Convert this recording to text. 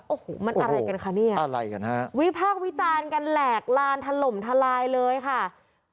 โอ้โหมันอะไรกันคะเนี่ยอะไรกันฮะวิพากษ์วิจารณ์กันแหลกลานถล่มทลายเลยค่ะ